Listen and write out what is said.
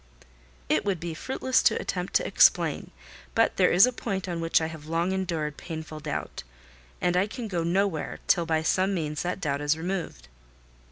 "It would be fruitless to attempt to explain; but there is a point on which I have long endured painful doubt, and I can go nowhere till by some means that doubt is removed."